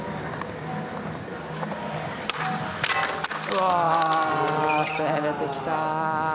うわあ攻めてきた。